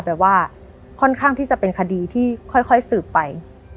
แบบว่าค่อนข้างที่จะเป็นคดีที่ค่อยสืบไป